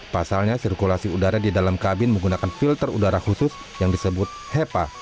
pasalnya sirkulasi udara di dalam kabin menggunakan filter udara khusus yang disebut hepa